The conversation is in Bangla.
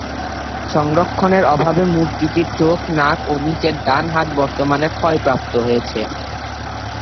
সংরক্ষণের অভাবে মূর্তিটির চোখ, নাক ও নিচের ডান হাত বর্তমানে ক্ষয়প্রাপ্ত হয়েছে।